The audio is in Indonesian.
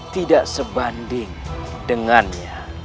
tidak sebanding dengannya